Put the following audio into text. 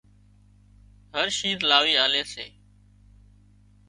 هر شيز لاوِي آلي سي